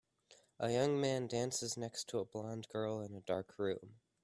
A young man dances next to a blond girl in a dark room.